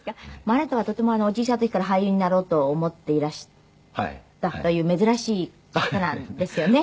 あなたはとても小さい時から俳優になろうと思っていらしたという珍しい方なんですよね。